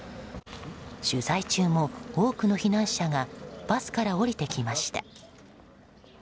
取材中も多くの避難者がバスから降りてきました。